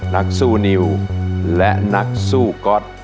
นักสู้นิวและนักสู้ก๊อต